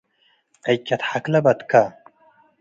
ዕጨት ሐክለ በትከ።